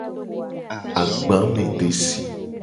Agbamedesi.